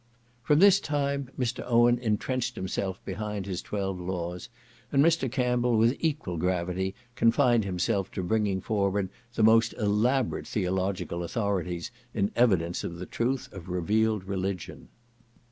From this time Mr. Owen entrenched himself behind his twelve laws, and Mr. Campbell, with equal gravity, confined himself to bringing forward the most elaborate theological authorities in evidence of the truth of revealed religion.